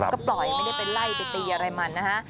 ก็ปล่อยไม่ได้ไปไล่ไปตีอะไรมันนะฮะ